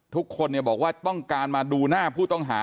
ทุกคนเฉียบว่าป้องการดูหน้าผู้ต้องหา